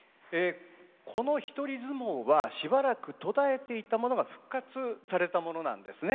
この一人角力はしばらく途絶えていたものが復活されたものなんですね。